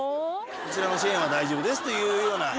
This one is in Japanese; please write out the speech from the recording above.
「こちらのチェーンは大丈夫です」というような。